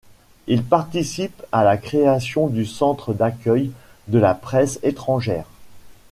Il participe à la création du Centre d'accueil de la presse étrangère.